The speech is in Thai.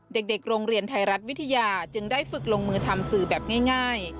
เด็กโรงเรียนไทยรัฐวิทยาจึงได้ฝึกลงมือทำสื่อแบบง่าย